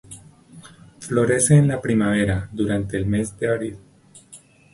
Florece en la primavera, durante el mes de abril.